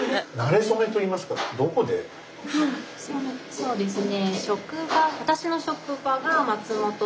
そうですね。